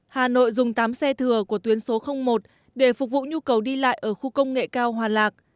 hà nội dùng tám xe thừa của tuyến số một để phục vụ nhu cầu đi lại ở khu công nghệ cao hòa lạc